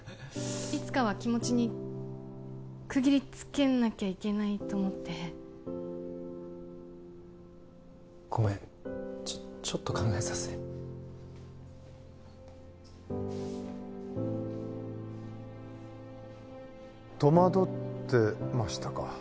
いつかは気持ちに区切りつけなきゃいけないと思ってごめんちょっと考えさせて戸惑ってましたか？